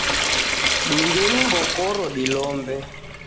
Dungenyi ngokoro dilombe